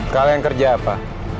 kalian kerja apa